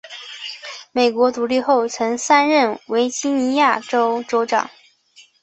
美国独立后曾三任维吉尼亚州州长。